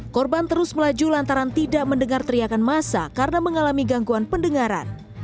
korban terus melaju lantaran tidak mendengar teriakan masa karena mengalami gangguan pendengaran